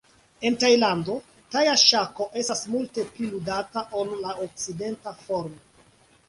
En Tajlando, taja ŝako estas multe pli ludata ol la okcidenta formo.